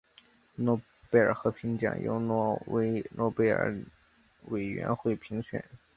诺贝尔和平奖由挪威诺贝尔委员会评选。